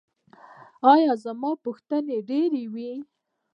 ایا زما پوښتنې ډیرې وې؟